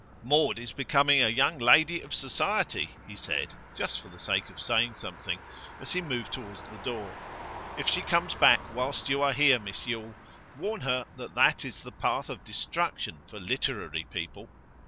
'Maud is becoming a young lady of society,' he said just for the sake of saying something as he moved towards the door. 'If she comes back whilst you are here, Miss Yule, warn her that that is the path of destruction for literary people.